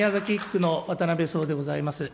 １区の渡辺創でございます。